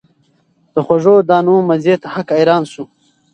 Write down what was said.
د خوږو دانو مزې ته هک حیران سو